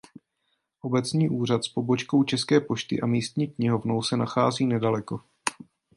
Obecní úřad s pobočkou České pošty a místní knihovnou se nachází nedaleko.